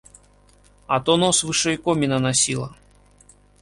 А то нос вышэй коміна насіла!